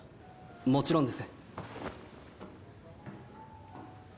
もちろんです。